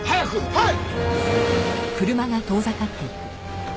はい！